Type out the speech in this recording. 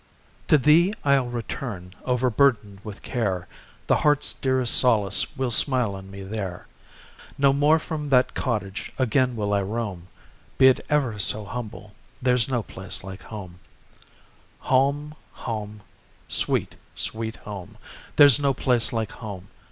To thee I'll return, overburdened with care; The heart's dearest solace will smile on me there; No more from that, cottage again will I roam; Be it ever so humble, there's no place like home. Home, Home, sweet, sweet Home! There's no place like Home!